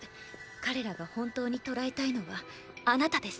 彼らが本当に捕らえたいのはあなたです。